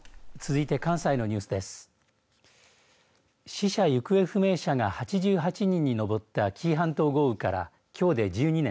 死者行方不明者が８８人に上った紀伊半島豪雨からきょうで１２年。